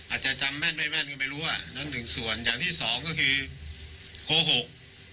อาจจะจำแม่นไม่แม่นก็ไม่รู้อ่ะนั่นหนึ่งส่วนอย่างที่สองก็คือโกหก